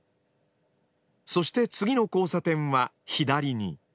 そして次の交差点は左に。